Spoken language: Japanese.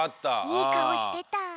いいかおしてた。